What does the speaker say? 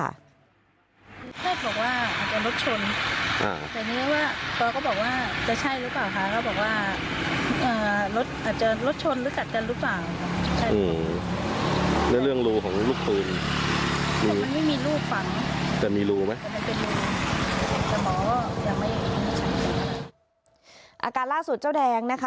อาการล่าสุดเจ้าแดงนะคะ